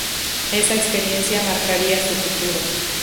Esa experiencia marcaría su futuro.